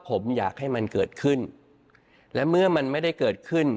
ผมอยากให้มันเกิดขึ้นและเมื่อมันไม่ได้เกิดขึ้น